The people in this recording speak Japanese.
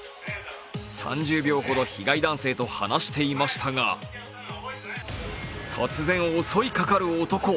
３０秒ほど被害男性と話していましたが、突然、襲いかかる男。